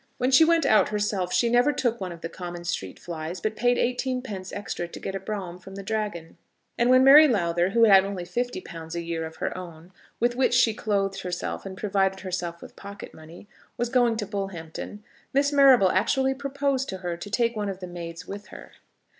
When she went out herself she never took one of the common street flies, but paid eighteen pence extra to get a brougham from the Dragon. And when Mary Lowther, who had only fifty pounds a year of her own, with which she clothed herself and provided herself with pocket money, was going to Bullhampton, Miss Marrable actually proposed to her to take one of the maids with her.